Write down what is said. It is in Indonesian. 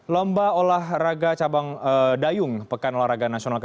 lomba olahraga cabang dayung pekan olahraga nasional ke tujuh